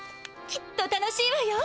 きっと楽しいわよ。